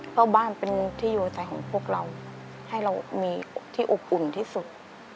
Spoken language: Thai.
เพื่อบ้านเป็นที่อยู่ใจของพวกเราให้เรามีที่อบอุ่นที่สุด